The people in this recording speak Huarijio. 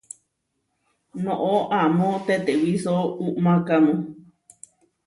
Noʼó amó tetewíso uʼmákamu.